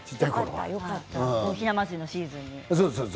ひな祭りのシーズンに。